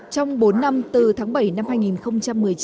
trong bốn năm từ tháng bảy năm hai nghìn một mươi chín